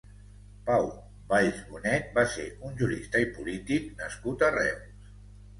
Pau Valls Bonet va ser un jurista i polític nascut a Reus.